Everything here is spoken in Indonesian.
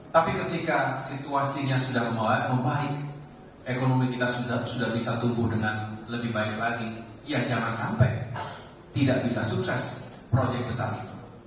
tapi ketika situasinya sudah membaik ekonomi kita sudah bisa tumbuh dengan lebih baik lagi ya jangan sampai tidak bisa sukses proyek besar itu